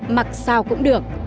mặc sao cũng được